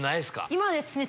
今ですね